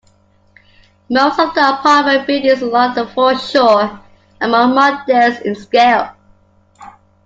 Most of the apartment buildings along the foreshore are more modest in scale.